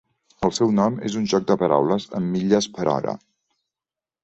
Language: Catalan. El seu nom és un joc de paraules amb "milles per hora".